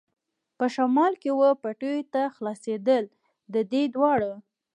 په شمال کې وه پټیو ته خلاصېدل، د دې دواړو.